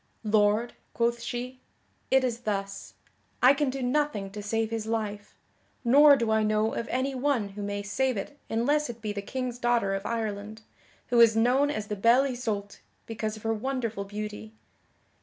"Lord," quoth she, "it is thus; I can do nothing to save his life, nor do I know of any one who may save it unless it be the King's daughter of Ireland, who is known as the Belle Isoult because of her wonderful beauty.